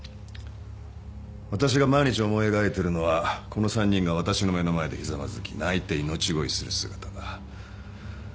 私が毎日思い描いてるのはこの３人が私の目の前でひざまずき泣いて命乞いする姿だ。